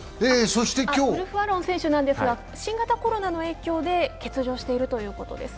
ウルフ・アロン選手ですが新型コロナの影響で欠場しているということです。